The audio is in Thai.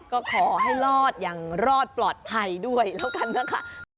ก็ขอให้รอดอย่างรอดปลอดภัยด้วยแล้วกันนะคะ